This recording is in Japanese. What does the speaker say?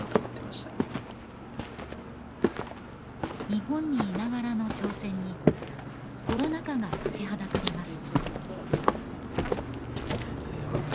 日本にいながらの挑戦にコロナ禍が立ちはだかります